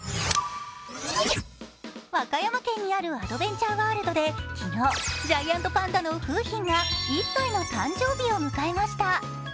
和歌山県にあるアドベンチャーワールドで昨日、ジャイアントパンダの楓浜が１歳の誕生日を迎えました。